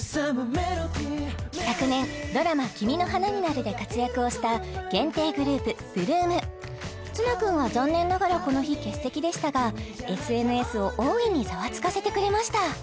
Ｍｅｌｏｄｙ昨年ドラマ「君の花になる」で活躍をした限定グループ８ＬＯＯＭ綱くんは残念ながらこの日欠席でしたがＳＮＳを大いにザワつかせてくれました